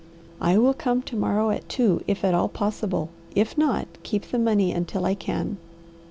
"I will come to morrow at two, if at all possible; if not, keep the money until I can."